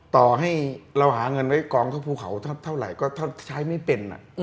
ต่อให้เราหาเงินไว้กองเข้าภูเขาเท่าไหร่ก็ถ้าใช้ไม่เป็น